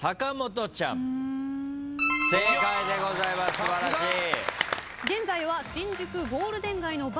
正解でございます素晴らしい。